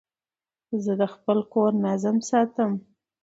زه د خپل کور نظم ساتم.